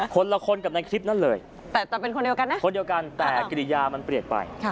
คนละคนกับในคลิปนั้นเลยแต่จะเป็นคนเดียวกันนะคนเดียวกันแต่กิริยามันเปลี่ยนไป